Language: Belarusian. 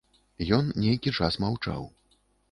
Ён нейкі час маўчаў.